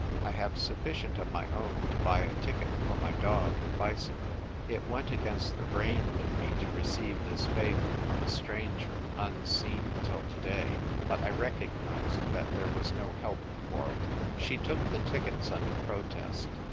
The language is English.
I have sufficient of my own to buy a ticket for my dog and bicycle." It went against the grain with me to receive this favour from a stranger unseen till to day ; but I recognised that there was no help for it. She took the tickets under protest.